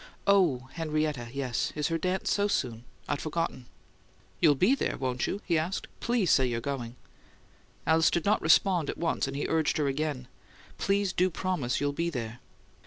"Oh, Henrietta yes. Is her dance so soon? I'd forgotten." "You'll be there, won't you?" he asked. "Please say you're going." Alice did not respond at once, and he urged her again: "Please do promise you'll be there."